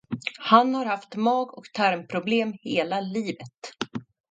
Han har haft mag- och tarmproblem hela livet.